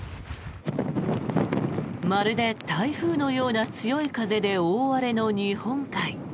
まるで台風のような強い風で大荒れの日本海。